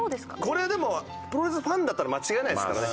これはでもプロレスファンだったら間違えないですからね。